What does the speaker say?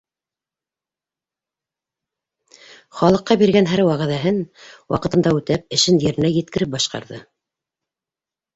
Халыҡҡа биргән һәр вәғәҙәһен ваҡытында үтәп, эшен еренә еткереп башҡарҙы.